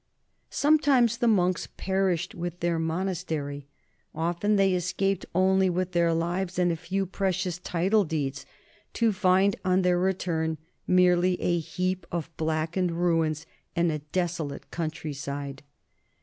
Some times the monks perished with their monastery, often they escaped only with their lives and a few precious title deeds, to find on their return merely a heap of blackened ruins and a desolate countryside.